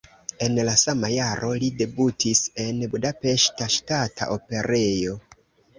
En la sama jaro li debutis en Budapeŝta Ŝtata Operejo.